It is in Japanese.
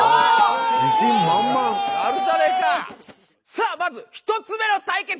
さあまず１つ目の対決。